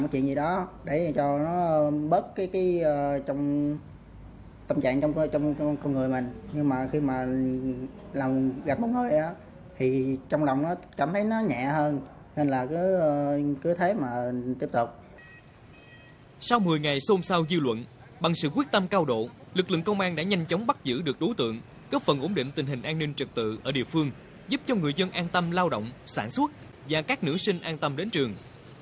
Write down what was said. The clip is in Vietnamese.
sau một mươi ngày xôn xao dư luận bằng sự quyết tâm cao độ lực lượng công an đã nhanh chóng bắt giữ được đối tượng cấp phần ổn định tình hình an ninh trật tự ở địa phương giúp cho người dân an tâm lao động sản xuất và các nữ sinh an tâm đến trường